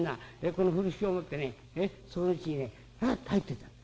この風呂敷を持ってねそのうちにねパッと入っていったんだ。